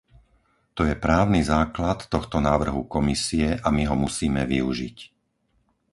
To je právny základ tohto návrhu Komisie a my ho musíme využiť.